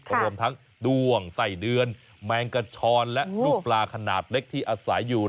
รวมทั้งด้วงใส่เดือนแมงกระชอนและลูกปลาขนาดเล็กที่อาศัยอยู่